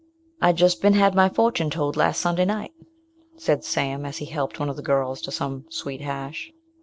"I jist bin had my fortune told last Sunday night," said Sam, as he helped one of the girls to some sweet hash.